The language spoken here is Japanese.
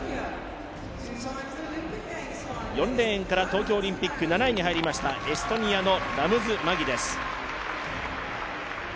４レーンから東京オリンピック７位に入りましたエストニアのラムズ・マギです。